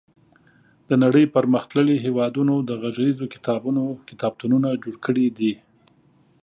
د نړۍ پرمختللي هېوادونو د غږیزو کتابونو کتابتونونه جوړ کړي دي.